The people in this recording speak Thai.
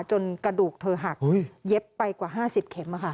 จนกระดูกเธอหักเย็บไปกว่าห้าสิบเข็มค่ะ